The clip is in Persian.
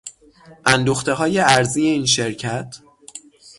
اندوختههای ارزی این شرکت